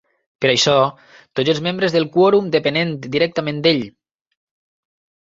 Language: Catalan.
Per això, tots els membres del quòrum depenent directament d"ell.